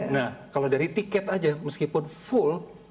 nah kalau dari tiket aja meskipun full